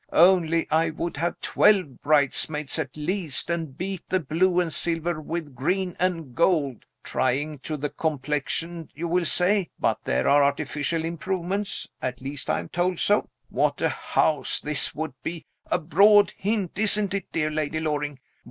Only I would have twelve bridesmaids at least, and beat the blue and silver with green and gold. Trying to the complexion, you will say. But there are artificial improvements. At least, I am told so. What a house this would be a broad hint, isn't it, dear Lady Loring?